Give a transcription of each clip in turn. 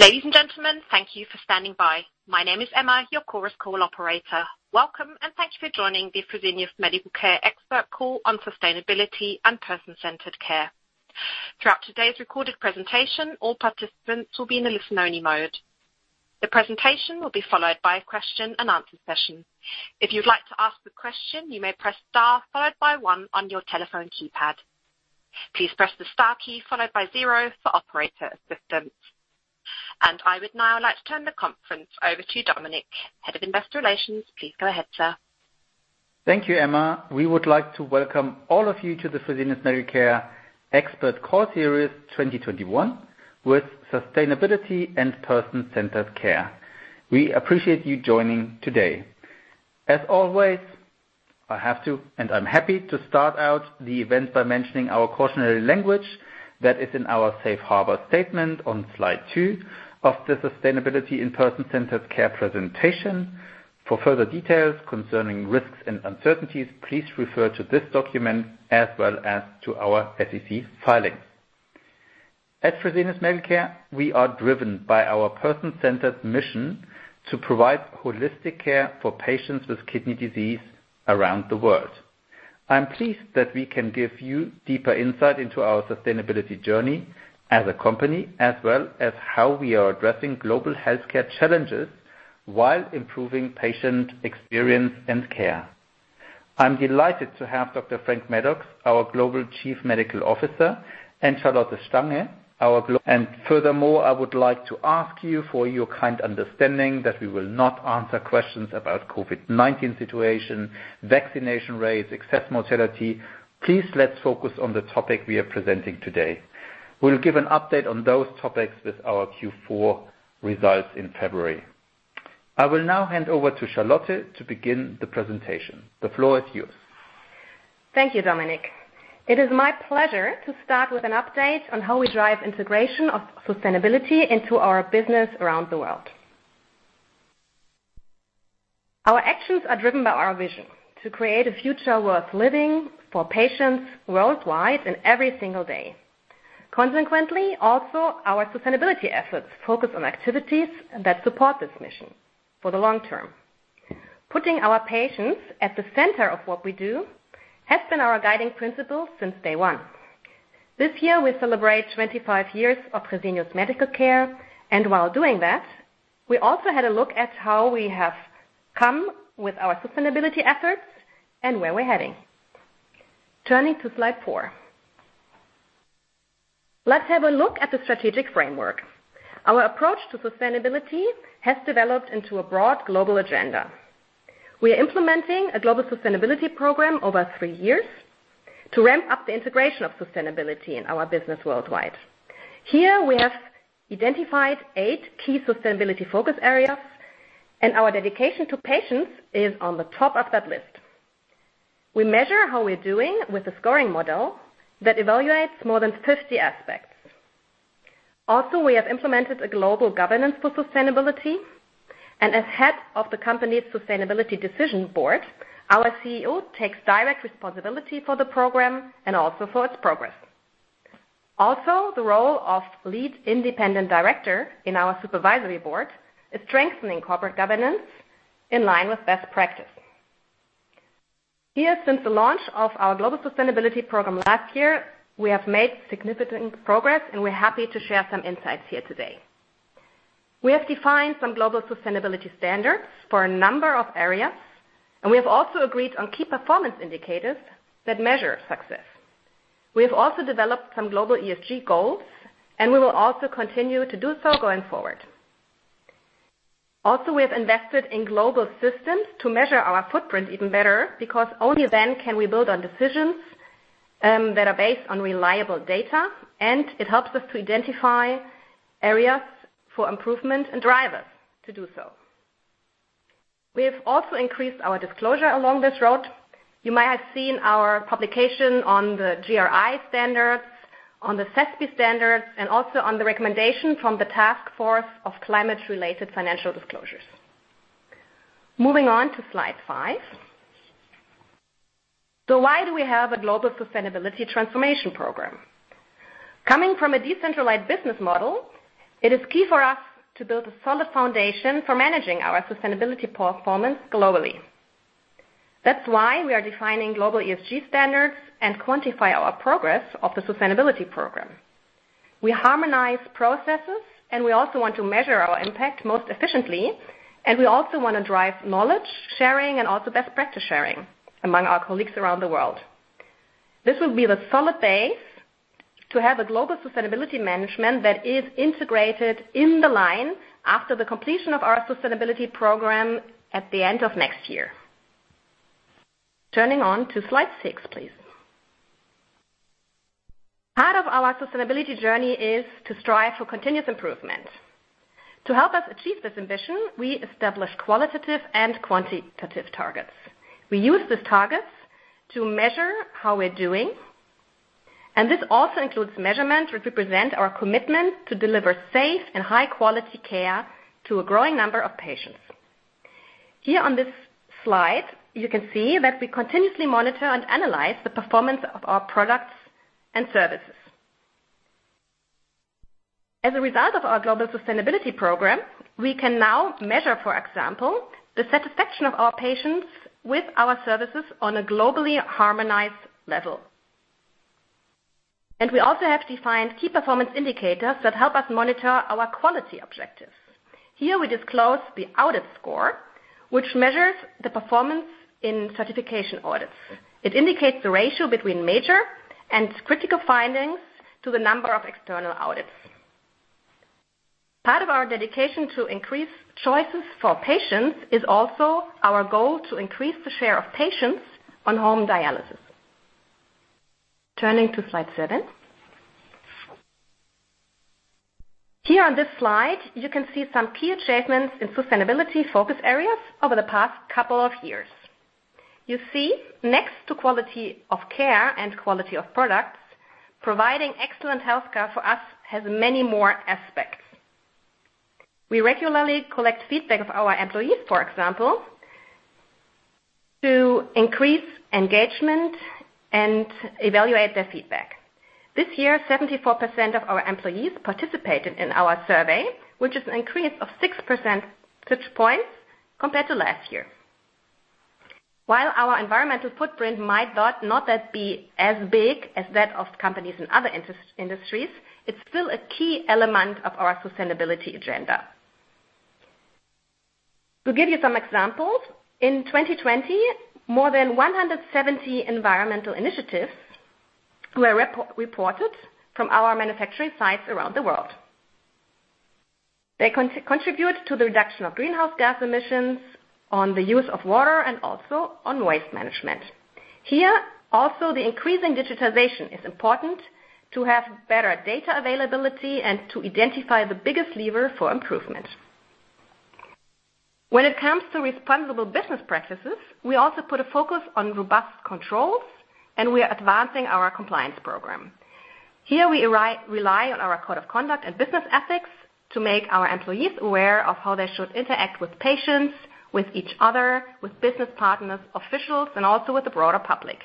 Ladies and gentlemen, thank you for standing by. My name is Emma, your Chorus Call operator. Welcome, and thank you for joining the Fresenius Medical Care Expert Call on Sustainability and Person-Centered Care. Throughout today's recorded presentation, all participants will be in a listen-only mode. The presentation will be followed by a Q&A session. If you'd like to ask a question, you may press star followed by one on your telephone keypad. Please press the star key followed by zero for operator assistance. I would now like to turn the conference over to Dominik, Head of Investor Relations. Please go ahead, sir. Thank you, Emma. We would like to welcome all of you to the Fresenius Medical Care Expert Call Series 2021 with Sustainability and Person-Centered Care. We appreciate you joining today. As always, I have to, and I'm happy to start out the event by mentioning our cautionary language that is in our safe harbor statement on slide two of the sustainability and person-centered care presentation. For further details concerning risks and uncertainties, please refer to this document as well as to our SEC filing. At Fresenius Medical Care, we are driven by our person-centered mission to provide holistic care for patients with kidney disease around the world. I'm pleased that we can give you deeper insight into our sustainability journey as a company, as well as how we are addressing global healthcare challenges while improving patient experience and care. I'm delighted to have Dr. Frank Maddux, our Global Chief Medical Officer, and Charlotte Stange. Furthermore, I would like to ask you for your kind understanding that we will not answer questions about COVID-19 situation, vaccination rates, excess mortality. Please, let's focus on the topic we are presenting today. We'll give an update on those topics with our Q4 results in February. I will now hand over to Charlotte to begin the presentation. The floor is yours. Thank you, Dominik. It is my pleasure to start with an update on how we drive integration of sustainability into our business around the world. Our actions are driven by our vision to create a future worth living for patients worldwide and every single day. Consequently, also our sustainability efforts focus on activities that support this mission for the long term. Putting our patients at the center of what we do has been our guiding principle since day one. This year we celebrate 25 years of Fresenius Medical Care, and while doing that, we also had a look at how we have come with our sustainability efforts and where we're heading. Turning to slide 4. Let's have a look at the strategic framework. Our approach to sustainability has developed into a broad global agenda. We are implementing a global sustainability program over three years to ramp up the integration of sustainability in our business worldwide. Here we have identified eight key sustainability focus areas, and our dedication to patients is on the top of that list. We measure how we're doing with a scoring model that evaluates more than 50 aspects. Also, we have implemented a global governance for sustainability, and as head of the company's Sustainability Decision Board, our CEO takes direct responsibility for the program and also for its progress. Also, the role of Lead Independent Director in our Supervisory Board is strengthening corporate governance in line with best practice. Here, since the launch of our global sustainability program last year, we have made significant progress, and we're happy to share some insights here today. We have defined some global sustainability standards for a number of areas, and we have also agreed on key performance indicators that measure success. We have also developed some global ESG goals, and we will also continue to do so going forward. Also, we have invested in global systems to measure our footprint even better because only then can we build on decisions, that are based on reliable data, and it helps us to identify areas for improvement and drive us to do so. We have also increased our disclosure along this road. You might have seen our publication on the GRI standards, on the SASB standards, and also on the recommendation from the task force on climate-related financial disclosures. Moving on to slide 5. Why do we have a global sustainability transformation program? Coming from a decentralized business model, it is key for us to build a solid foundation for managing our sustainability performance globally. That's why we are defining global ESG standards and quantify our progress on the sustainability program. We harmonize processes, and we also want to measure our impact most efficiently, and we also want to drive knowledge sharing and also best practice sharing among our colleagues around the world. This will be the solid base to have a global sustainability management that is integrated in the line after the completion of our sustainability program at the end of next year. Turning to slide six, please. Part of our sustainability journey is to strive for continuous improvement. To help us achieve this ambition, we establish qualitative and quantitative targets. We use these targets to measure how we're doing, and this also includes measurements which represent our commitment to deliver safe and high-quality care to a growing number of patients. Here on this slide, you can see that we continuously monitor and analyze the performance of our products and services. As a result of our global sustainability program, we can now measure, for example, the satisfaction of our patients with our services on a globally harmonized level. We also have defined key performance indicators that help us monitor our quality objectives. Here we disclose the audit score, which measures the performance in certification audits. It indicates the ratio between major and critical findings to the number of external audits. Part of our dedication to increase choices for patients is also our goal to increase the share of patients on home dialysis. Turning to slide 7. Here on this slide, you can see some key achievements in sustainability focus areas over the past couple of years. You see, next to quality of care and quality of products, providing excellent health care for us has many more aspects. We regularly collect feedback of our employees, for example, to increase engagement and evaluate their feedback. This year, 74% of our employees participated in our survey, which is an increase of six percentage points compared to last year. While our environmental footprint might not be that big as that of companies in other industries, it's still a key element of our sustainability agenda. To give you some examples, in 2020, more than 170 environmental initiatives were reported from our manufacturing sites around the world. They contribute to the reduction of greenhouse gas emissions on the use of water and also on waste management. Here, also the increasing digitization is important to have better data availability and to identify the biggest lever for improvement. When it comes to responsible business practices, we also put a focus on robust controls, and we are advancing our compliance program. Here we rely on our code of conduct and business ethics to make our employees aware of how they should interact with patients, with each other, with business partners, officials, and also with the broader public.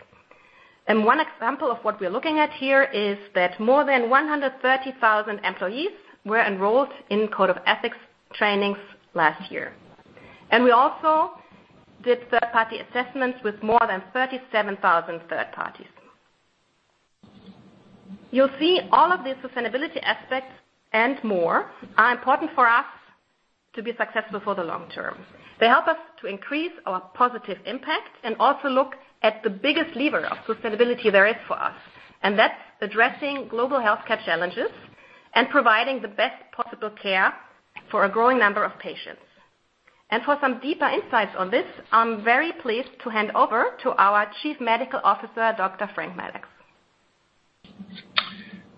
One example of what we're looking at here is that more than 130,000 employees were enrolled in code of ethics trainings last year. We also did third-party assessments with more than 37,000 third parties. You'll see all of these sustainability aspects and more are important for us to be successful for the long term. They help us to increase our positive impact and also look at the biggest lever of sustainability there is for us, and that's addressing global healthcare challenges and providing the best possible care for a growing number of patients. For some deeper insights on this, I'm very pleased to hand over to our Chief Medical Officer, Dr. Frank Maddux.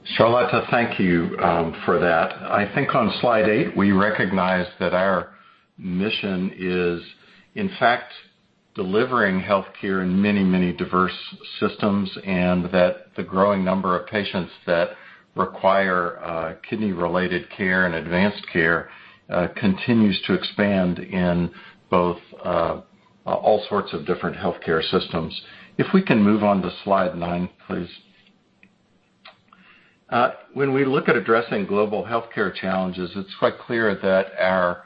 Charlotte, thank you for that. I think on slide eight, we recognize that our mission is, in fact, delivering health care in many, many diverse systems, and that the growing number of patients that require kidney-related care and advanced care continues to expand in both all sorts of different healthcare systems. If we can move on to slide nine, please. When we look at addressing global healthcare challenges, it's quite clear that our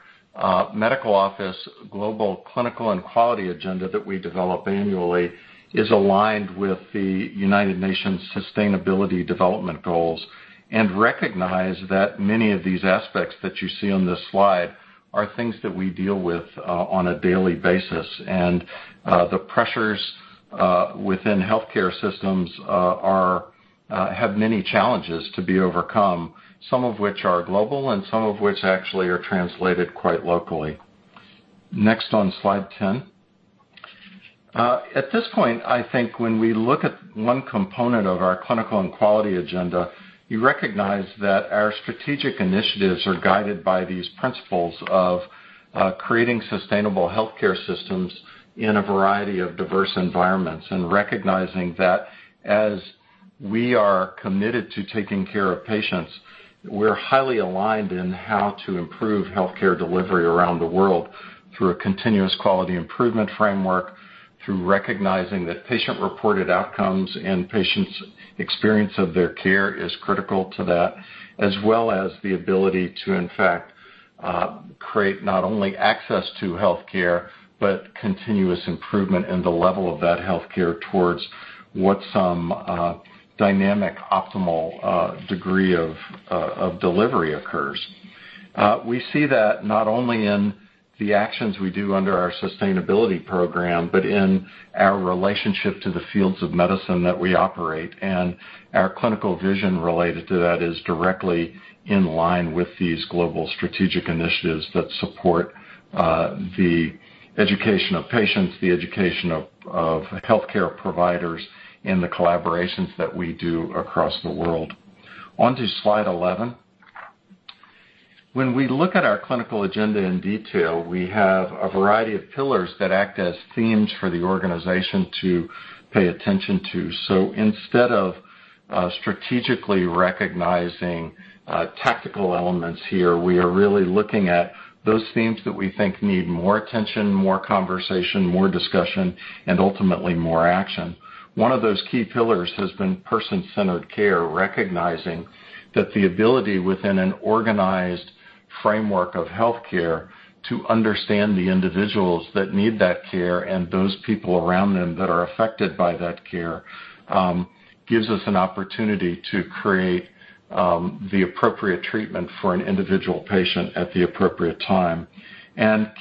medical office global clinical and quality agenda that we develop annually is aligned with the United Nations Sustainable Development Goals and recognize that many of these aspects that you see on this slide are things that we deal with on a daily basis. The pressures within healthcare systems have many challenges to be overcome, some of which are global and some of which actually are translated quite locally. Next on slide ten. At this point, I think when we look at one component of our clinical and quality agenda, you recognize that our strategic initiatives are guided by these principles of creating sustainable healthcare systems in a variety of diverse environments, and recognizing that as we are committed to taking care of patients, we're highly aligned in how to improve healthcare delivery around the world through a continuous quality improvement framework, through recognizing that patient-reported outcomes and patients' experience of their care is critical to that, as well as the ability to, in fact, create not only access to healthcare, but continuous improvement in the level of that healthcare towards what some dynamic optimal degree of delivery occurs. We see that not only in the actions we do under our sustainability program, but in our relationship to the fields of medicine that we operate. Our clinical vision related to that is directly in line with these global strategic initiatives that support the education of patients, the education of healthcare providers in the collaborations that we do across the world. On to slide 11. When we look at our clinical agenda in detail, we have a variety of pillars that act as themes for the organization to pay attention to. Instead of strategically recognizing tactical elements here, we are really looking at those themes that we think need more attention, more conversation, more discussion, and ultimately more action. One of those key pillars has been person-centered care, recognizing that the ability within an organized framework of healthcare to understand the individuals that need that care and those people around them that are affected by that care gives us an opportunity to create the appropriate treatment for an individual patient at the appropriate time.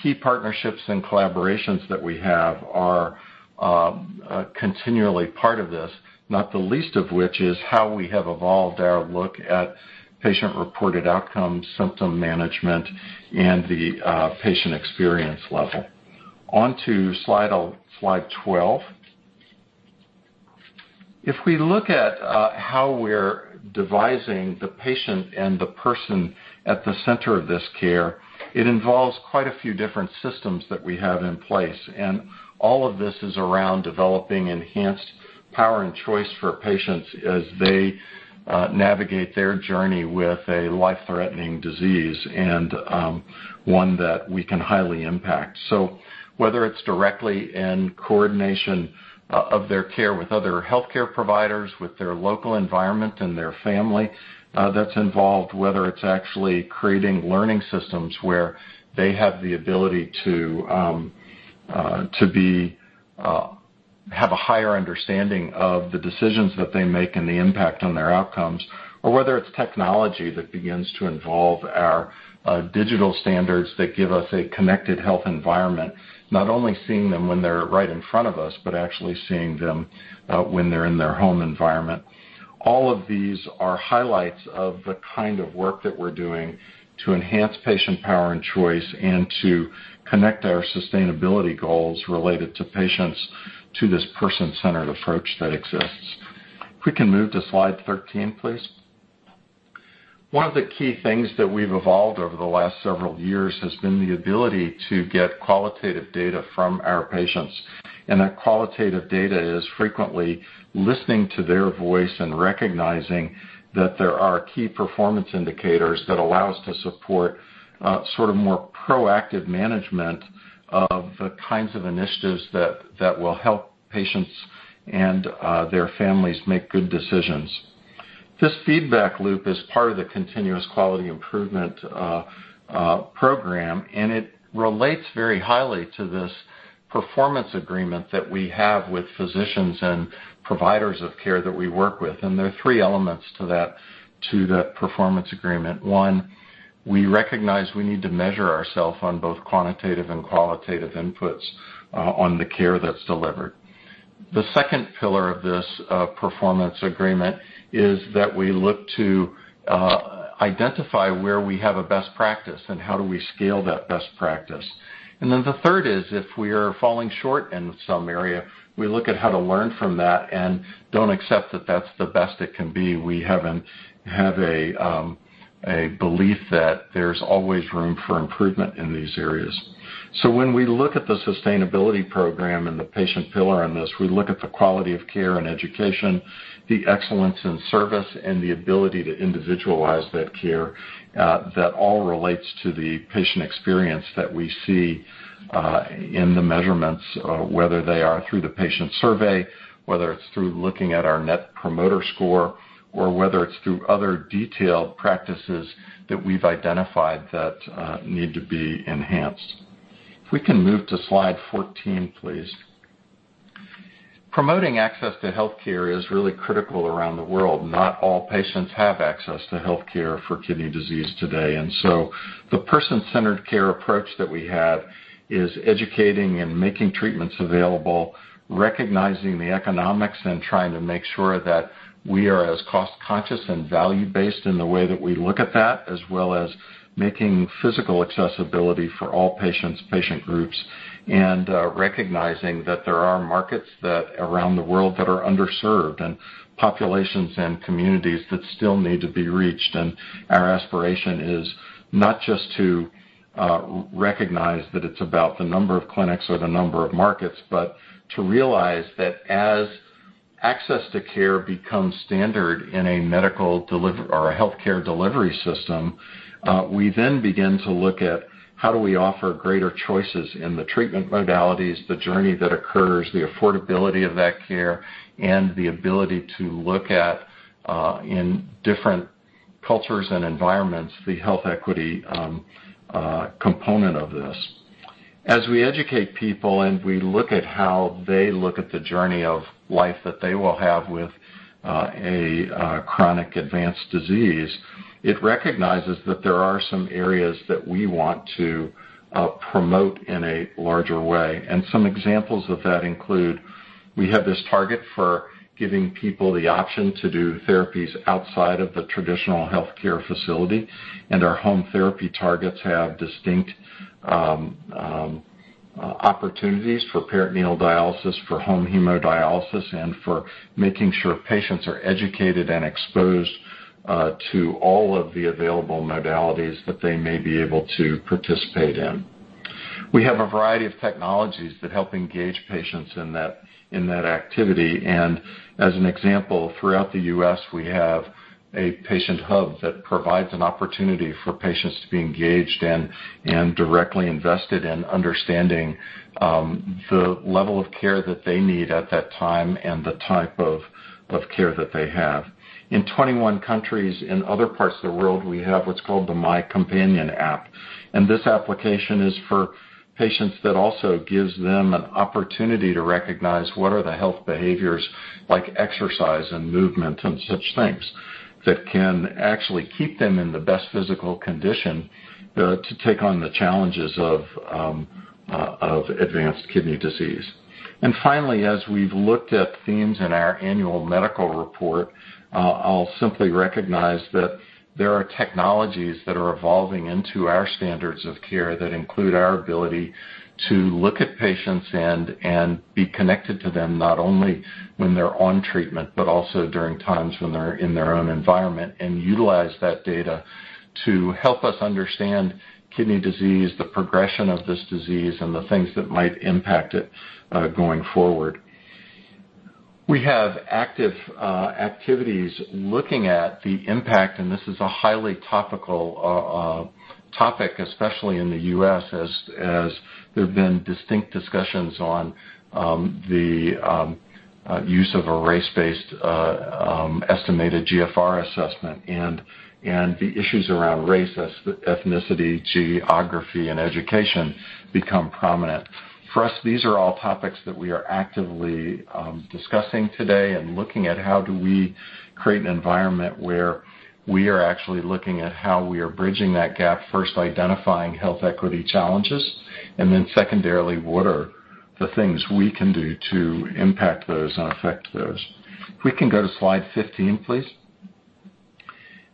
Key partnerships and collaborations that we have are continually part of this, not the least of which is how we have evolved our look at patient-reported outcomes, symptom management, and the patient experience level. On to slide 12. If we look at how we're placing the patient and the person at the center of this care, it involves quite a few different systems that we have in place. All of this is around developing empowerment and choice for patients as they navigate their journey with a life-threatening disease and one that we can highly impact. Whether it's directly in coordination of their care with other healthcare providers, with their local environment and their family, that's involved, whether it's actually creating learning systems where they have the ability to be. have a higher understanding of the decisions that they make and the impact on their outcomes, or whether it's technology that begins to involve our, digital standards that give us a connected health environment, not only seeing them when they're right in front of us, but actually seeing them, when they're in their home environment. All of these are highlights of the kind of work that we're doing to enhance patient power and choice and to connect our sustainability goals related to patients to this person-centered approach that exists. If we can move to slide 13, please. One of the key things that we've evolved over the last several years has been the ability to get qualitative data from our patients. That qualitative data is frequently listening to their voice and recognizing that there are key performance indicators that allow us to support sort of more proactive management of the kinds of initiatives that will help patients and their families make good decisions. This feedback loop is part of the continuous quality improvement program, and it relates very highly to this performance agreement that we have with physicians and providers of care that we work with. There are three elements to that performance agreement. One, we recognize we need to measure ourselves on both quantitative and qualitative inputs on the care that's delivered. The second pillar of this performance agreement is that we look to identify where we have a best practice and how do we scale that best practice. The third is, if we are falling short in some area, we look at how to learn from that and don't accept that that's the best it can be. We have a belief that there's always room for improvement in these areas. When we look at the sustainability program and the patient pillar in this, we look at the quality of care and education, the excellence in service, and the ability to individualize that care, that all relates to the patient experience that we see in the measurements, whether they are through the patient survey, whether it's through looking at our Net Promoter Score or whether it's through other detailed practices that we've identified that need to be enhanced. If we can move to slide 14, please. Promoting access to healthcare is really critical around the world. Not all patients have access to healthcare for kidney disease today. The person-centered care approach that we have is educating and making treatments available, recognizing the economics, and trying to make sure that we are as cost-conscious and value-based in the way that we look at that, as well as making physical accessibility for all patients, patient groups, and recognizing that there are markets around the world that are underserved and populations and communities that still need to be reached. Our aspiration is not just to recognize that it's about the number of clinics or the number of markets, but to realize that as access to care becomes standard in a healthcare delivery system, we then begin to look at how do we offer greater choices in the treatment modalities, the journey that occurs, the affordability of that care, and the ability to look at, in different cultures and environments, the health equity component of this. As we educate people and we look at how they look at the journey of life that they will have with a chronic advanced disease, it recognizes that there are some areas that we want to promote in a larger way. Some examples of that include we have this target for giving people the option to do therapies outside of the traditional healthcare facility. Our home therapy targets have distinct opportunities for peritoneal dialysis, for home hemodialysis, and for making sure patients are educated and exposed to all of the available modalities that they may be able to participate in. We have a variety of technologies that help engage patients in that activity, and as an example, throughout the U.S., we have a PatientHub that provides an opportunity for patients to be engaged in and directly invested in understanding the level of care that they need at that time and the type of care that they have. In 21 countries in other parts of the world, we have what's called the myCompanion app. This application is for patients that also gives them an opportunity to recognize what are the health behaviors like exercise and movement and such things that can actually keep them in the best physical condition to take on the challenges of advanced kidney disease. Finally, as we've looked at themes in our annual medical report, I'll simply recognize that there are technologies that are evolving into our standards of care that include our ability to look at patients and be connected to them not only when they're on treatment, but also during times when they're in their own environment, and utilize that data to help us understand kidney disease, the progression of this disease, and the things that might impact it, going forward. We have active activities looking at the impact, and this is a highly topical topic, especially in the U.S., as there have been distinct discussions on the use of a race-based estimated GFR assessment and the issues around race, ethnicity, geography, and education become prominent. For us, these are all topics that we are actively discussing today and looking at how do we create an environment where we are actually looking at how we are bridging that gap, first identifying health equity challenges, and then secondarily, what are the things we can do to impact those and affect those. If we can go to slide 15, please.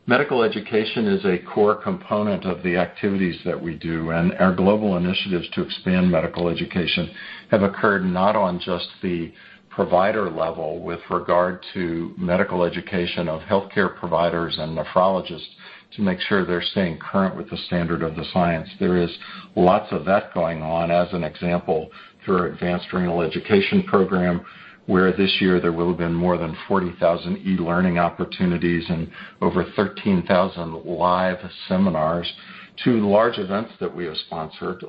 Medical education is a core component of the activities that we do, and our global initiatives to expand medical education have occurred not on just the provider level with regard to medical education of healthcare providers and nephrologists to make sure they're staying current with the standard of the science. There is lots of that going on as an example through our Advanced Renal Education Program, where this year there will have been more than 40,000 e-learning opportunities and over 13,000 live seminars and two large events that we have sponsored,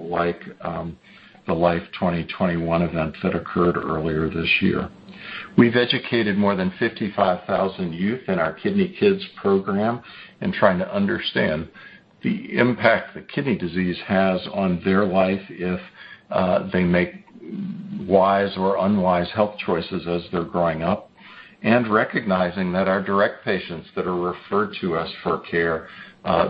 like, the LIFE/2021 events that occurred earlier this year. We've educated more than 55,000 youth in our Kidney Kids program in trying to understand the impact that kidney disease has on their life if they make wise or unwise health choices as they're growing up, and recognizing that our direct patients that are referred to us for care,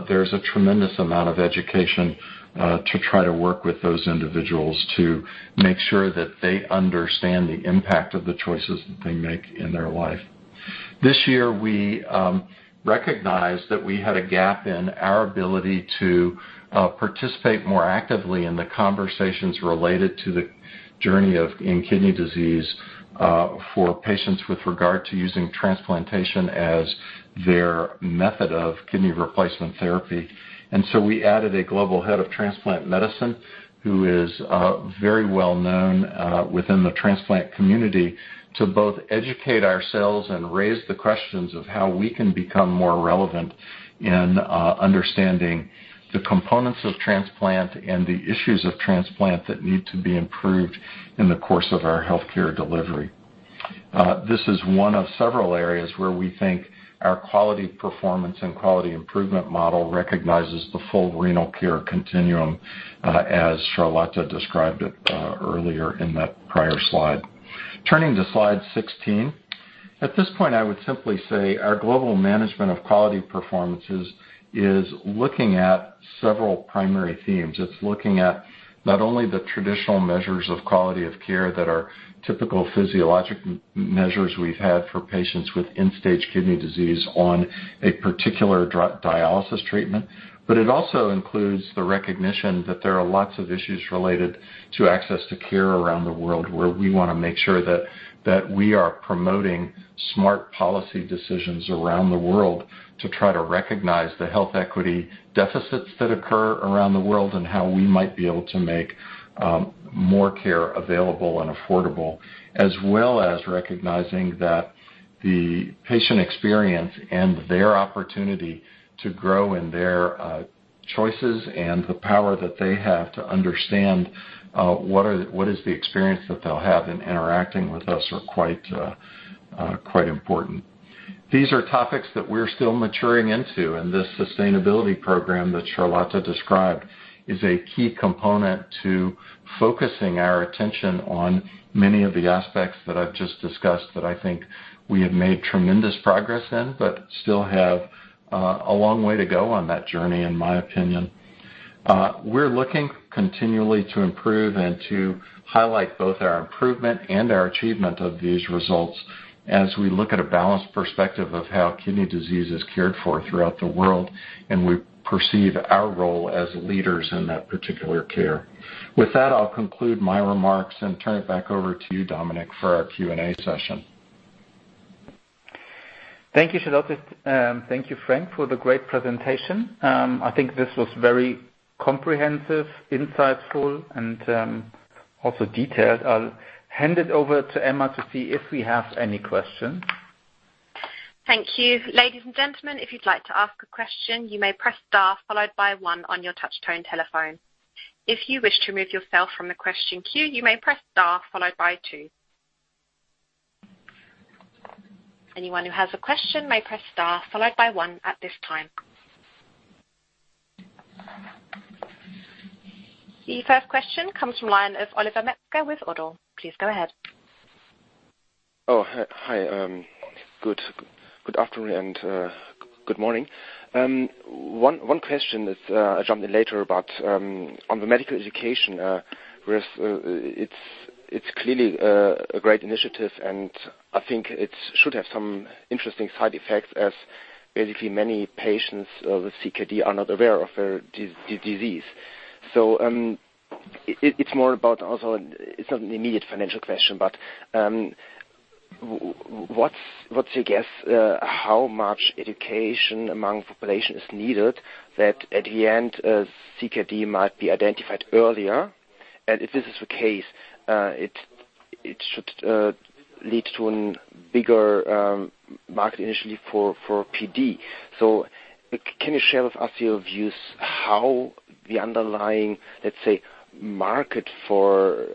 there's a tremendous amount of education to try to work with those individuals to make sure that they understand the impact of the choices that they make in their life. This year, we recognized that we had a gap in our ability to participate more actively in the conversations related to the journey in kidney disease for patients with regard to using transplantation as their method of kidney replacement therapy. We added a Global Head of Transplant Medicine who is very well known within the transplant community to both educate ourselves and raise the questions of how we can become more relevant in understanding the components of transplant and the issues of transplant that need to be improved in the course of our healthcare delivery. This is one of several areas where we think our quality performance and quality improvement model recognizes the full renal care continuum, as Charlotte described it, earlier in that prior slide. Turning to slide 16. At this point, I would simply say our global management of quality performances is looking at several primary themes. It's looking at not only the traditional measures of quality of care that are typical physiologic measures we've had for patients with end-stage kidney disease on a particular dialysis treatment. It also includes the recognition that there are lots of issues related to access to care around the world where we want to make sure that we are promoting smart policy decisions around the world to try to recognize the health equity deficits that occur around the world and how we might be able to make more care available and affordable, as well as recognizing that the patient experience and their opportunity to grow in their choices and the power that they have to understand what is the experience that they'll have in interacting with us are quite important. These are topics that we're still maturing into, and this sustainability program that Charlotte described is a key component to focusing our attention on many of the aspects that I've just discussed that I think we have made tremendous progress in, but still have, a long way to go on that journey, in my opinion. We're looking continually to improve and to highlight both our improvement and our achievement of these results as we look at a balanced perspective of how kidney disease is cared for throughout the world, and we perceive our role as leaders in that particular care. With that, I'll conclude my remarks and turn it back over to you, Dominik, for our Q&A session. Thank you, Charlotte. Thank you, Frank, for the great presentation. I think this was very comprehensive, insightful, and also detailed. I'll hand it over to Emma to see if we have any questions. Thank you. Ladies and gentlemen, if you'd like to ask a question, you may press star followed by one on your touch-tone telephone. If you wish to remove yourself from the question queue, you may press star followed by two. Anyone who has a question may press star followed by one at this time. The first question comes from the line of Oliver Metzger with ODDO. Please go ahead. Oh, hi. Good afternoon and good morning. One question is, I'll jump in later, but on the medical education, where it's clearly a great initiative, and I think it should have some interesting side effects as basically many patients of CKD are not aware of their disease. It's more about also it's not an immediate financial question, but what's your guess how much education among population is needed that at the end CKD might be identified earlier? If this is the case, it should lead to a bigger market initially for PD. Can you share with us your views how the underlying, let's say, market for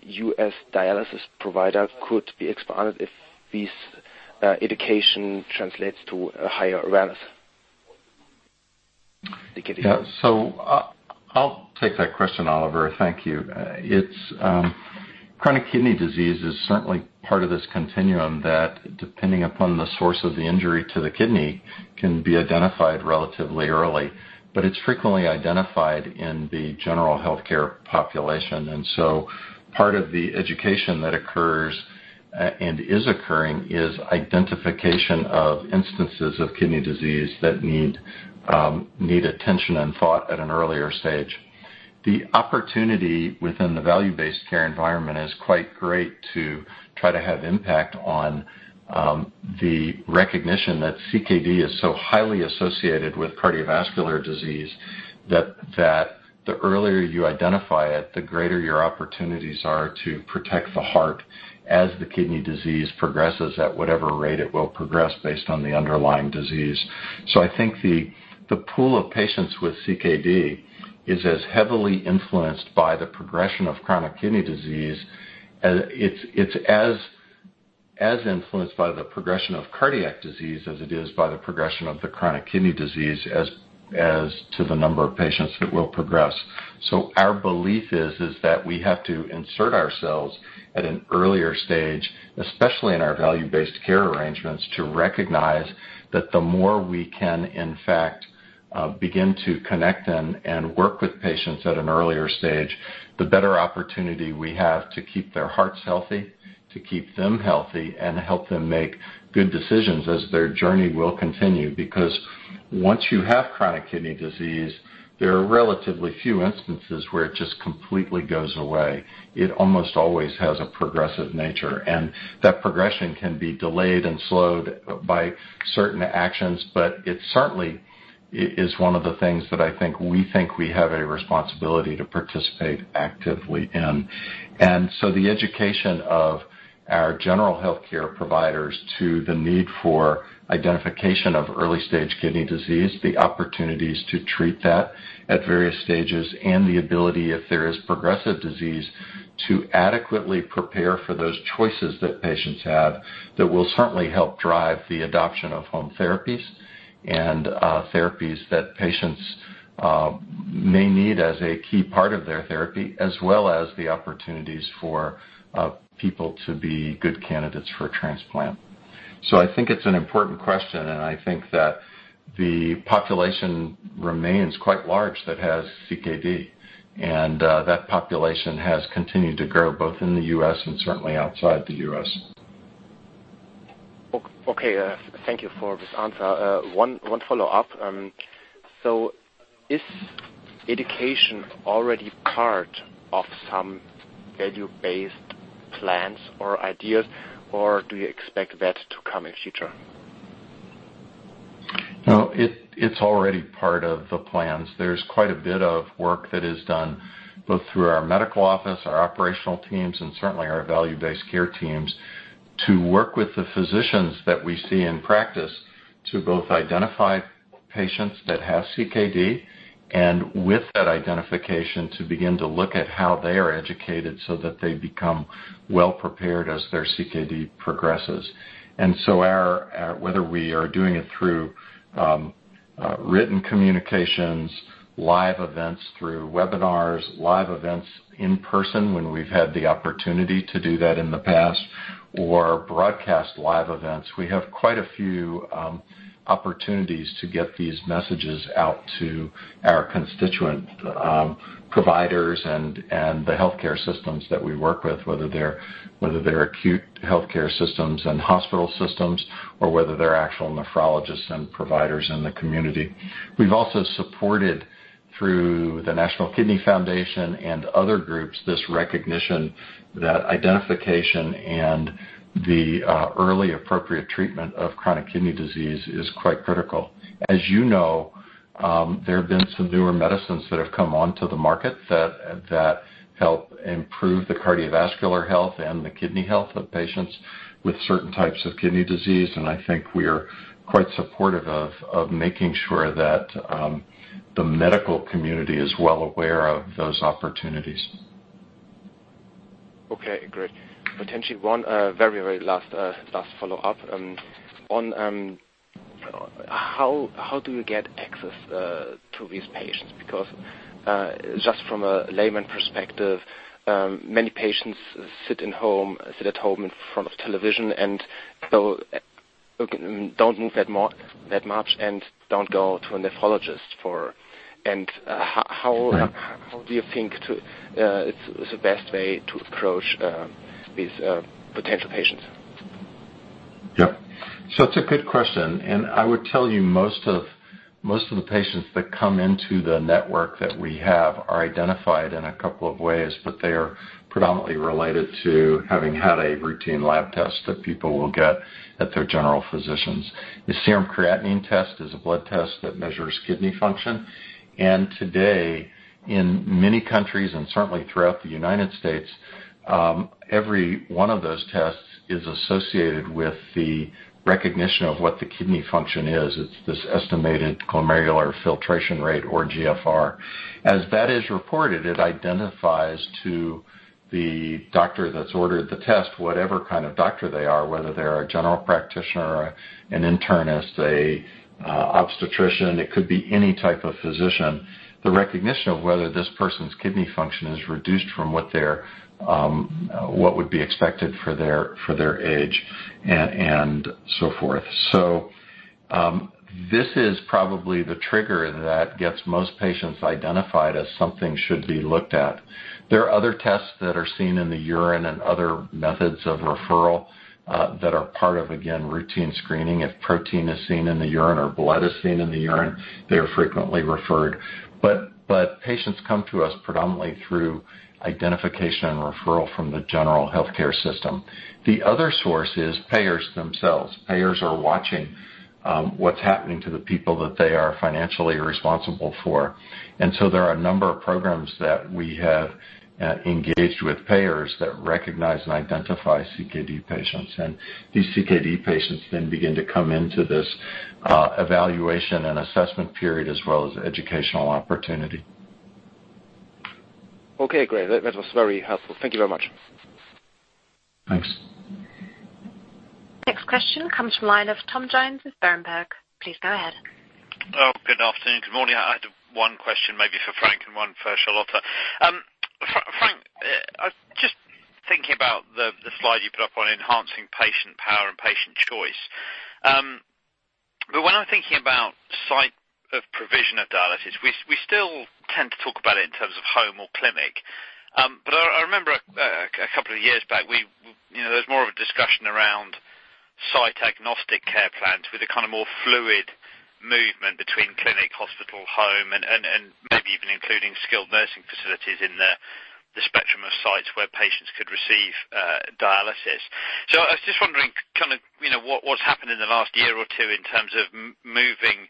U.S. dialysis provider could be expanded if this education translates to a higher awareness? Thank you. Yeah. I'll take that question, Oliver. Thank you. It's chronic kidney disease is certainly part of this continuum that depending upon the source of the injury to the kidney can be identified relatively early. It's frequently identified in the general healthcare population. Part of the education that occurs and is occurring is identification of instances of kidney disease that need attention and thought at an earlier stage. The opportunity within the value-based care environment is quite great to try to have impact on the recognition that CKD is so highly associated with cardiovascular disease that the earlier you identify it, the greater your opportunities are to protect the heart as the kidney disease progresses at whatever rate it will progress based on the underlying disease. I think the pool of patients with CKD is as heavily influenced by the progression of chronic kidney disease. It's as influenced by the progression of cardiac disease as it is by the progression of the chronic kidney disease as to the number of patients that will progress. Our belief is that we have to insert ourselves at an earlier stage, especially in our value-based care arrangements, to recognize that the more we can in fact begin to connect and work with patients at an earlier stage, the better opportunity we have to keep their hearts healthy, to keep them healthy and help them make good decisions as their journey will continue. Because once you have chronic kidney disease, there are relatively few instances where it just completely goes away. It almost always has a progressive nature, and that progression can be delayed and slowed by certain actions. It certainly is one of the things that I think we have a responsibility to participate actively in. The education of our general healthcare providers to the need for identification of early-stage kidney disease, the opportunities to treat that at various stages and the ability, if there is progressive disease, to adequately prepare for those choices that patients have that will certainly help drive the adoption of home therapies and therapies that patients may need as a key part of their therapy, as well as the opportunities for people to be good candidates for transplant. I think it's an important question, and I think that the population remains quite large that has CKD, and that population has continued to grow both in the U.S. and certainly outside the U.S. Okay. Thank you for this answer. One follow-up. Is education already part of some value-based plans or ideas, or do you expect that to come in future? No, it's already part of the plans. There's quite a bit of work that is done both through our medical office, our operational teams, and certainly our value-based care teams to work with the physicians that we see in practice to both identify patients that have CKD and with that identification to begin to look at how they are educated so that they become well prepared as their CKD progresses. Our whether we are doing it through written communications, live events through webinars, live events in person when we've had the opportunity to do that in the past or broadcast live events, we have quite a few opportunities to get these messages out to our constituent providers and the healthcare systems that we work with, whether they're acute healthcare systems and hospital systems, or whether they're actual nephrologists and providers in the community. We've also supported through the National Kidney Foundation and other groups, this recognition that identification and the early appropriate treatment of chronic kidney disease is quite critical. As you know, there have been some newer medicines that have come onto the market that help improve the cardiovascular health and the kidney health of patients with certain types of kidney disease. I think we're quite supportive of making sure that the medical community is well aware of those opportunities. Okay, great. Potentially one very last follow-up on how do you get access to these patients? Because just from a layman's perspective, many patients sit at home in front of television and so don't move that much and don't go to a nephrologist. How do you think is the best way to approach these potential patients? Yep. It's a good question. I would tell you most of the patients that come into the network that we have are identified in a couple of ways, but they are predominantly related to having had a routine lab test that people will get at their general physicians. The serum creatinine test is a blood test that measures kidney function. Today, in many countries and certainly throughout the United States, every one of those tests is associated with the recognition of what the kidney function is. It's this estimated glomerular filtration rate or GFR. As that is reported, it identifies to the doctor that's ordered the test, whatever kind of doctor they are, whether they're a general practitioner, an internist, obstetrician, it could be any type of physician. The recognition of whether this person's kidney function is reduced from what would be expected for their age and so forth. This is probably the trigger that gets most patients identified as something should be looked at. There are other tests that are seen in the urine and other methods of referral that are part of, again, routine screening. If protein is seen in the urine or blood is seen in the urine, they are frequently referred. Patients come to us predominantly through identification and referral from the general healthcare system. The other source is payers themselves. Payers are watching what's happening to the people that they are financially responsible for. There are a number of programs that we have engaged with payers that recognize and identify CKD patients. These CKD patients then begin to come into this evaluation and assessment period, as well as educational opportunity. Okay, great. That was very helpful. Thank you very much. Thanks. Next question comes from line of Tom Jones with Berenberg. Please go ahead. Oh, good afternoon, good morning. I had one question maybe for Frank and one for Charlotte. Frank, I was just thinking about the slide you put up on enhancing patient power and patient choice. When I'm thinking about site of provision of dialysis, we still tend to talk about it in terms of home or clinic. I remember a couple of years back, you know, there was more of a discussion around site agnostic care plans with a kind of more fluid movement between clinic, hospital, home and maybe even including skilled nursing facilities in the spectrum of sites where patients could receive dialysis. I was just wondering, kind of, you know, what's happened in the last year or two in terms of moving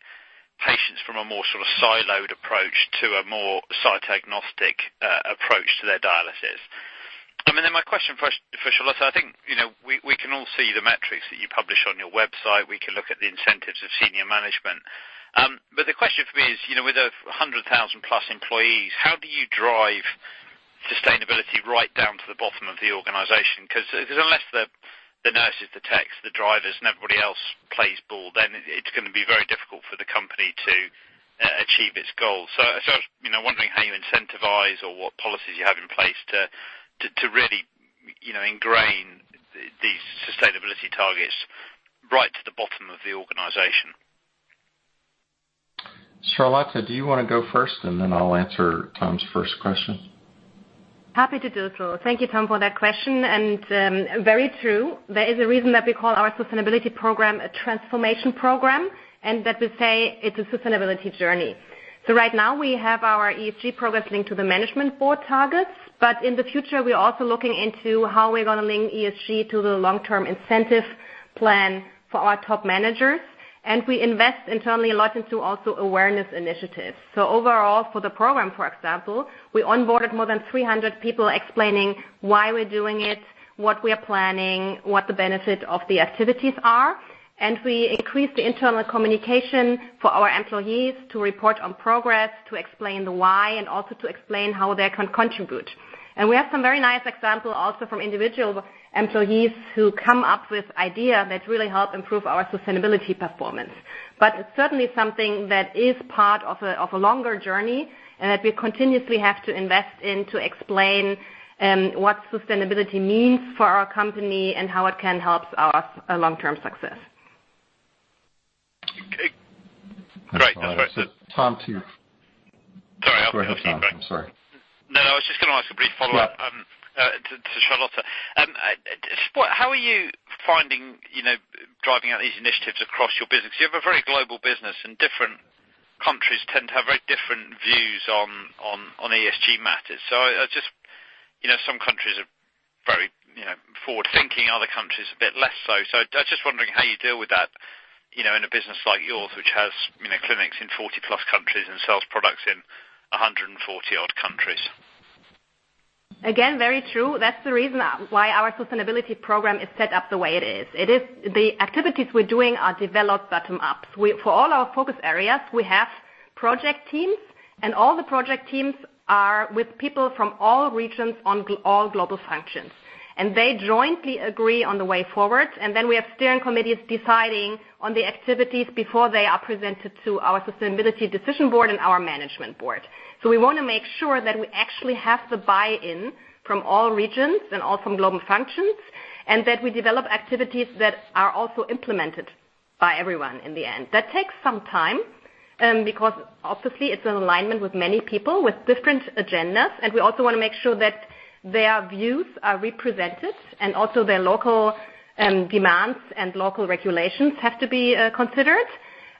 patients from a more sort of siloed approach to a more site agnostic approach to their dialysis. My question for Charlotte, I think, you know, we can all see the metrics that you publish on your website. We can look at the incentives of senior management. But the question for me is, you know, with 100,000+ employees, how do you drive sustainability right down to the bottom of the organization? Because unless the nurses, the techs, the drivers, and everybody else plays ball, then it's going to be very difficult for the company to achieve its goals. I was, you know, wondering how you incentivize or what policies you have in place to really, you know, ingrain these sustainability targets right to the bottom of the organization. Charlotte, do you wanna go first, and then I'll answer Tom's first question? Happy to do so. Thank you, Tom, for that question. Very true. There is a reason that we call our sustainability program a transformation program, and that we say it's a sustainability journey. Right now we have our ESG progress linked to the management board targets. In the future, we're also looking into how we're gonna link ESG to the long-term incentive plan for our top managers. We invest internally a lot into also awareness initiatives. Overall, for the program, for example, we onboarded more than 300 people explaining why we're doing it, what we are planning, what the benefit of the activities are. We increased the internal communication for our employees to report on progress, to explain the why and also to explain how they can contribute. We have some very nice example also from individual employees who come up with idea that really help improve our sustainability performance. But it's certainly something that is part of a longer journey and that we continuously have to invest in to explain what sustainability means for our company and how it can help us long-term success. Okay. Great. Tom, to you. Sorry. I'll come to you, Frank. I'm sorry. No, I was just gonna ask a brief follow-up to Charlotte. How are you finding, you know, driving out these initiatives across your business? You have a very global business, and different countries tend to have very different views on ESG matters. I just you know, some countries are very, you know, forward-thinking, other countries a bit less so. I was just wondering how you deal with that, you know, in a business like yours, which has, you know, clinics in 40+ countries and sells products in 140-odd countries. Again, very true. That's the reason why our sustainability program is set up the way it is. The activities we're doing are developed bottom up. For all our focus areas, we have project teams, and all the project teams are with people from all regions on all global functions. They jointly agree on the way forward, and then we have steering committees deciding on the activities before they are presented to our Sustainability Decision Board and our management board. We wanna make sure that we actually have the buy-in from all regions and all from global functions, and that we develop activities that are also implemented by everyone in the end. That takes some time, because obviously it's an alignment with many people with different agendas, and we also wanna make sure that their views are represented and also their local demands and local regulations have to be considered.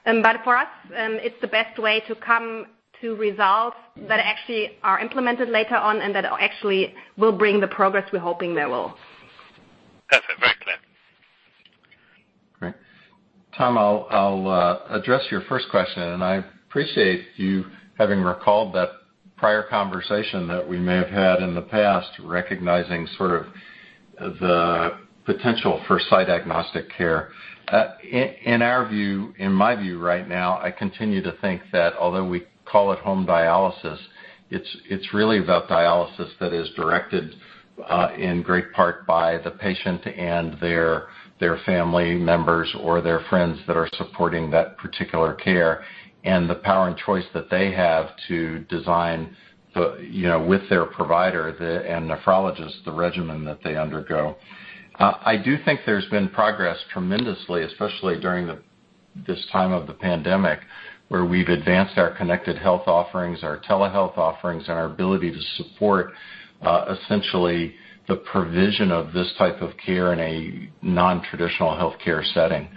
For us, it's the best way to come to results that actually are implemented later on and that actually will bring the progress we're hoping they will. Perfect. Very clear. Great. Tom, I'll address your first question. I appreciate you having recalled that prior conversation that we may have had in the past, recognizing sort of the potential for site-agnostic care. In our view, in my view right now, I continue to think that although we call it home dialysis, it's really about dialysis that is directed in great part by the patient and their family members or their friends that are supporting that particular care and the power and choice that they have to design, you know, with their provider and the nephrologist, the regimen that they undergo. I do think there's been progress tremendously, especially during this time of the pandemic, where we've advanced our connected health offerings, our telehealth offerings, and our ability to support essentially the provision of this type of care in a nontraditional healthcare setting.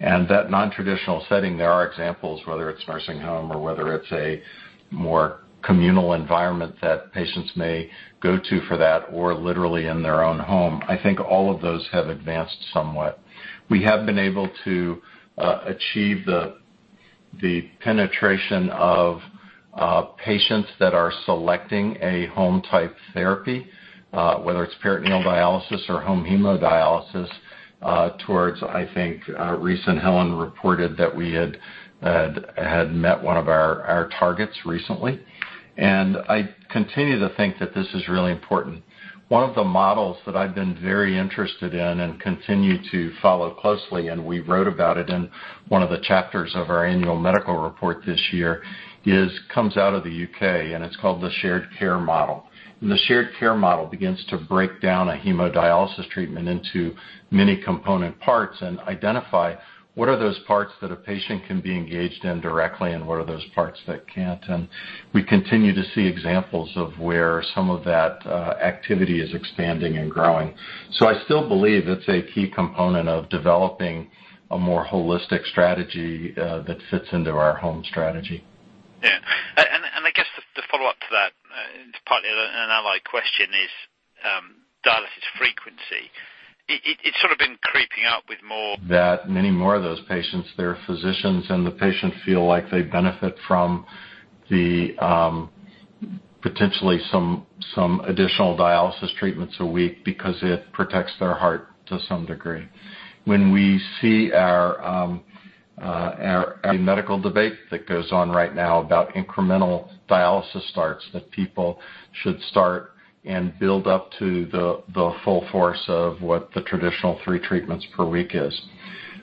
That nontraditional setting, there are examples, whether it's nursing home or whether it's a more communal environment that patients may go to for that or literally in their own home. I think all of those have advanced somewhat. We have been able to achieve the penetration of patients that are selecting a home-type therapy, whether it's peritoneal dialysis or home hemodialysis, towards. I think recently Helen reported that we had met one of our targets recently. I continue to think that this is really important. One of the models that I've been very interested in and continue to follow closely, and we wrote about it in one of the chapters of our annual medical report this year, is, comes out of the U.K., and it's called the shared care model. The shared care model begins to break down a hemodialysis treatment into many component parts and identify what are those parts that a patient can be engaged in directly and what are those parts that can't. We continue to see examples of where some of that activity is expanding and growing. I still believe it's a key component of developing a more holistic strategy that fits into our home strategy. Yeah. I guess the follow-up to that. It's partly an allied question is dialysis frequency. It's sort of been creeping up with more- That many more of those patients, their physicians and the patient feel like they benefit from the potentially some additional dialysis treatments a week because it protects their heart to some degree. When we see a medical debate that goes on right now about incremental dialysis starts, that people should start and build up to the full force of what the traditional three treatments per week is.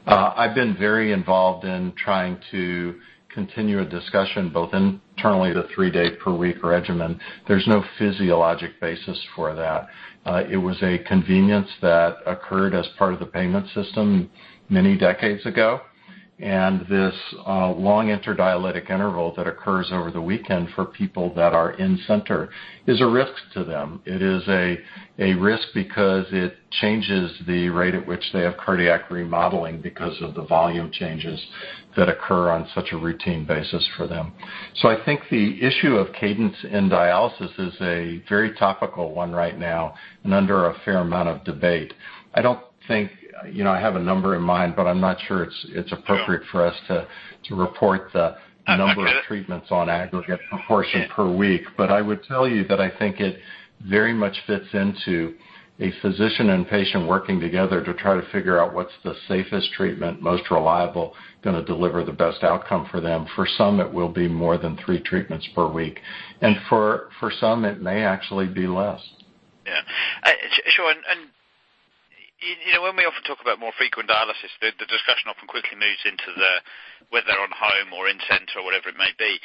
I've been very involved in trying to continue a discussion both internally, the three day per week regimen. There's no physiologic basis for that. It was a convenience that occurred as part of the payment system many decades ago. This long interdialytic interval that occurs over the weekend for people that are in center is a risk to them. It is a risk because it changes the rate at which they have cardiac remodeling because of the volume changes that occur on such a routine basis for them. I think the issue of cadence in dialysis is a very topical one right now and under a fair amount of debate. I don't think, you know, I have a number in mind, but I'm not sure it's appropriate for us to report the number of treatments on aggregate proportion per week. I would tell you that I think it very much fits into a physician and patient working together to try to figure out what's the safest treatment, most reliable, gonna deliver the best outcome for them. For some, it will be more than three treatments per week. For some, it may actually be less. Yeah. Sure. You know, when we often talk about more frequent dialysis, the discussion often quickly moves into the whether on home or in center or whatever it may be.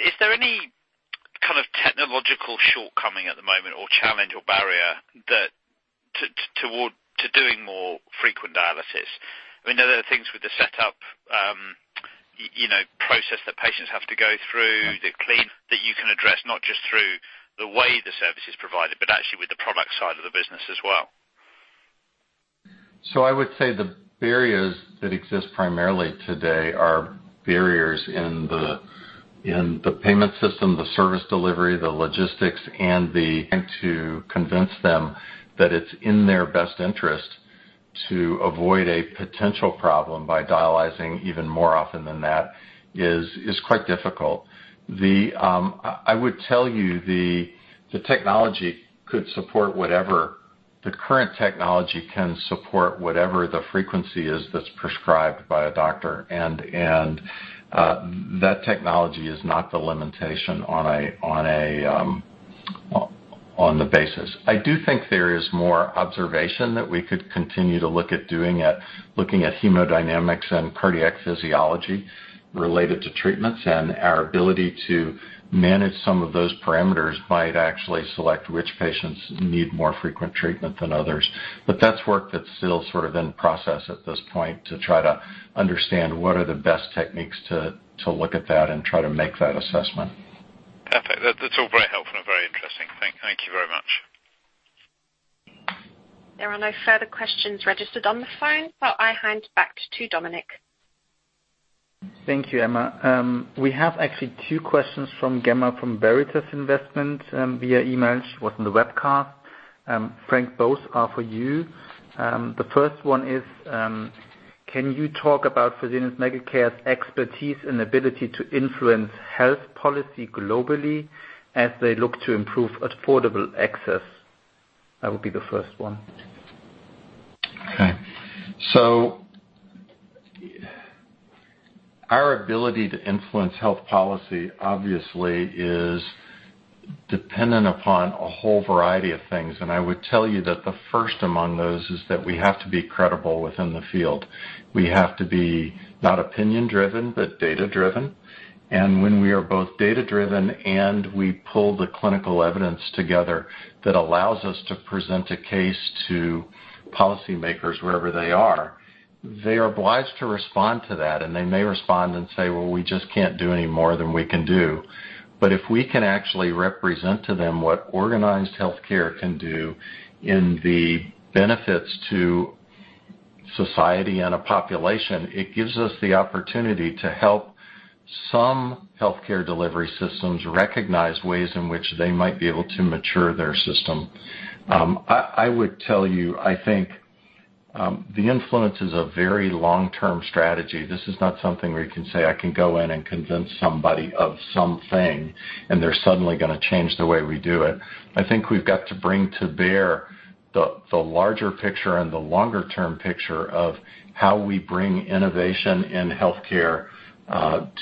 Is there any kind of technological shortcoming at the moment or challenge or barrier towards doing more frequent dialysis? I mean, there are things with the setup, process that patients have to go through, the cleaning that you can address, not just through the way the service is provided, but actually with the product side of the business as well. I would say the barriers that exist primarily today are barriers in the payment system, the service delivery, the logistics, and to convince them that it's in their best interest to avoid a potential problem by dialyzing even more often than that is quite difficult. I would tell you the technology could support whatever the current technology can support, whatever the frequency is that's prescribed by a doctor. That technology is not the limitation on an ongoing basis. I do think there is more observation that we could continue to look at hemodynamics and cardiac physiology related to treatments, and our ability to manage some of those parameters might actually select which patients need more frequent treatment than others. That's work that's still sort of in process at this point to try to understand what are the best techniques to look at that and try to make that assessment. Perfect. That's all very helpful and very interesting. Thank you very much. There are no further questions registered on the phone, but I hand back to Dominik. Thank you, Emma. We have actually two questions from Gemma, from Veritas Investment, via email. She was on the webcast. Frank, both are for you. The first one is, can you talk about Fresenius Medical Care's expertise and ability to influence health policy globally as they look to improve affordable access? That would be the first one. Okay. Our ability to influence health policy obviously is dependent upon a whole variety of things, and I would tell you that the first among those is that we have to be credible within the field. We have to be not opinion-driven, but data-driven. When we are both data-driven and we pull the clinical evidence together, that allows us to present a case to policymakers wherever they are. They are obliged to respond to that, and they may respond and say, "Well, we just can't do any more than we can do." But if we can actually represent to them what organized healthcare can do in the benefits to society and a population, it gives us the opportunity to help some healthcare delivery systems recognize ways in which they might be able to mature their system. I would tell you, I think, the influence is a very long-term strategy. This is not something where you can say, I can go in and convince somebody of something, and they're suddenly gonna change the way we do it. I think we've got to bring to bear the larger picture and the longer-term picture of how we bring innovation in healthcare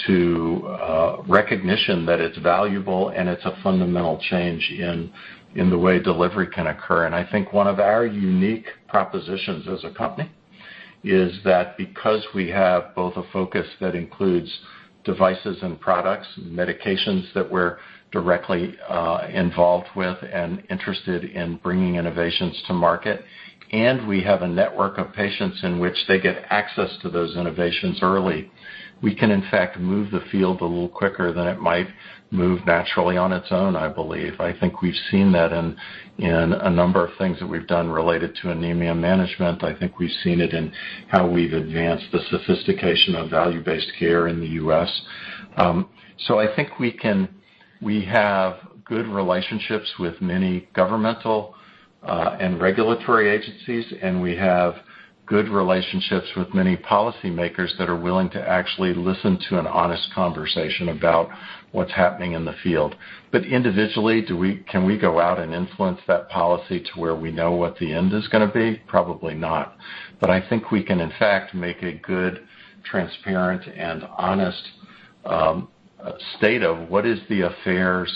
to recognition that it's valuable and it's a fundamental change in the way delivery can occur. I think one of our unique propositions as a company is that because we have both a focus that includes devices and products and medications that we're directly involved with and interested in bringing innovations to market, and we have a network of patients in which they get access to those innovations early, we can, in fact, move the field a little quicker than it might move naturally on its own, I believe. I think we've seen that in a number of things that we've done related to anemia management. I think we've seen it in how we've advanced the sophistication of value-based care in the U.S. I think we have good relationships with many governmental and regulatory agencies, and we have good relationships with many policymakers that are willing to actually listen to an honest conversation about what's happening in the field. Individually, can we go out and influence that policy to where we know what the end is gonna be? Probably not. I think we can, in fact, make a good, transparent, and honest state of what is the affairs,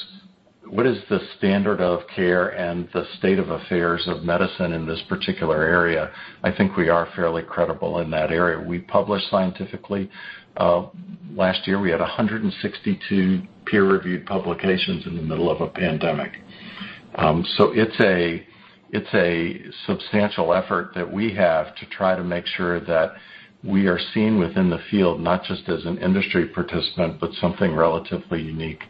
what is the standard of care and the state of affairs of medicine in this particular area. I think we are fairly credible in that area. We publish scientifically. Last year, we had 162 peer-reviewed publications in the middle of a pandemic. It's a substantial effort that we have to try to make sure that we are seen within the field, not just as an industry participant, but something relatively unique.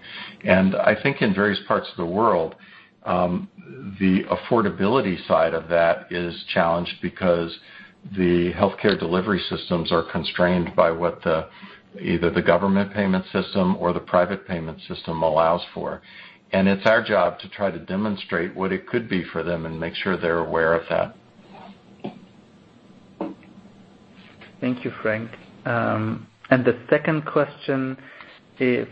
I think in various parts of the world, the affordability side of that is challenged because the healthcare delivery systems are constrained by what the, either the government payment system or the private payment system allows for. It's our job to try to demonstrate what it could be for them and make sure they're aware of that. Thank you, Frank. The second question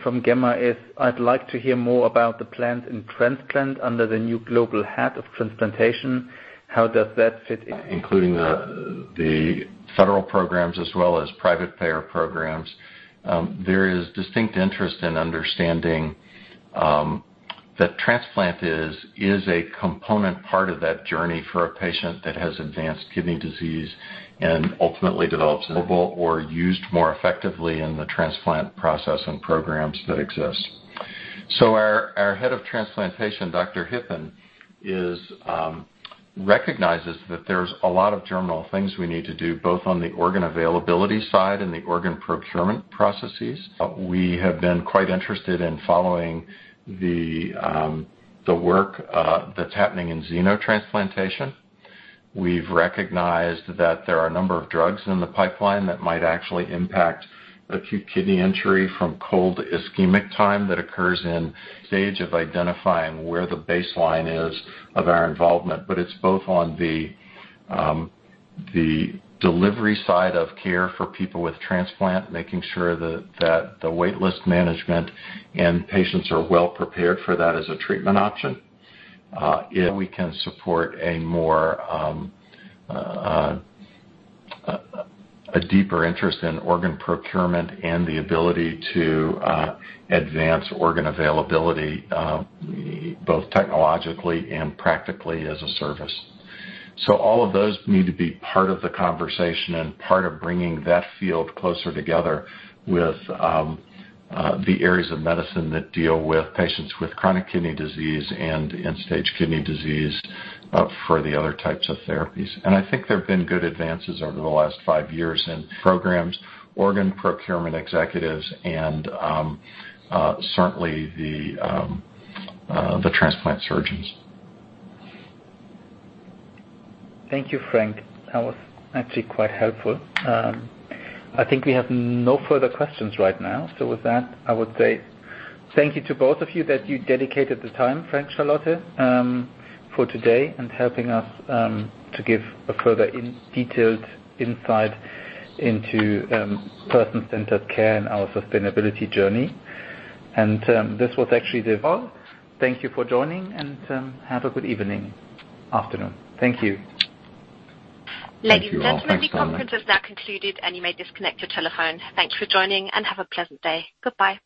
from Gemma is, I'd like to hear more about the plan and transplant under the new Global Head of Transplantation. How does that fit in? Including the federal programs as well as private payer programs. There is distinct interest in understanding that transplant is a component part of that journey for a patient that has advanced kidney disease and ultimately develops end-stage kidney disease, available or used more effectively in the transplant process and programs that exist. Our Head of Transplantation, Dr. Hippen, recognizes that there's a lot of tangible things we need to do, both on the organ availability side and the organ procurement processes. We have been quite interested in following the work that's happening in xenotransplantation. We've recognized that there are a number of drugs in the pipeline that might actually impact acute kidney injury from cold ischemic time that occurs in the stage of identifying where the baseline is of our involvement. It's both on the delivery side of care for people with transplant, making sure that the wait list management and patients are well prepared for that as a treatment option. If we can support a deeper interest in organ procurement and the ability to advance organ availability both technologically and practically as a service. All of those need to be part of the conversation and part of bringing that field closer together with the areas of medicine that deal with patients with chronic kidney disease and end-stage kidney disease for the other types of therapies. I think there have been good advances over the last five years in programs, organ procurement executives and certainly the transplant surgeons. Thank you, Frank. That was actually quite helpful. I think we have no further questions right now. With that, I would say thank you to both of you that you dedicated the time, Frank, Charlotte, for today and helping us to give a further detailed insight into person-centered care and our sustainability journey. This was actually Deval. Thank you for joining and have a good afternoon. Thank you. Thank you all. Ladies and gentlemen, the conference has now concluded, and you may disconnect your telephone. Thanks for joining and have a pleasant day. Goodbye.